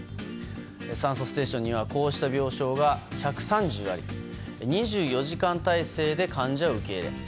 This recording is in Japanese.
酸素ステーションにはこうした病床が１３０あり２４時間態勢で患者受け入れ。